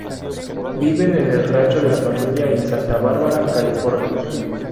Viven en el rancho de la familia en Santa Bárbara, California.